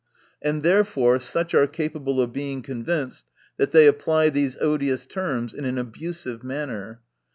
And therefore such are capable of being convinced, that they apply these odious terms in an abusive manner.